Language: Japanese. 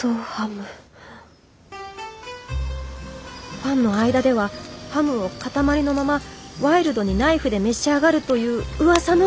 ファンの間ではハムを塊のままワイルドにナイフで召し上がるといううわさの！